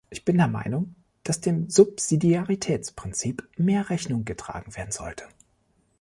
Ich bin der Meinung, dass dem Subsidiaritätsprinzip mehr Rechnung getragen werden sollte.